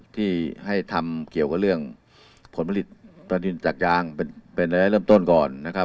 ที่ให้ทำเกี่ยวกับเรื่องผลผลิตประดินจากยางเป็นระยะเริ่มต้นก่อนนะครับ